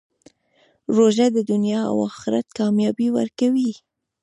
روژه د دنیا او آخرت کامیابي ورکوي.